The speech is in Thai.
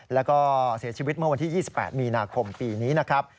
แล้วก็เสียชีวิตเมื่อวันที่๒๘มีนาคมปีนี้นะครับ